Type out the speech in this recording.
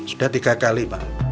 sudah tiga kali pak